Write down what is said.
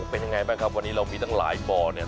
เป็นยังไงบ้างครับวันนี้เรามีตั้งหลายบ่อเนี่ย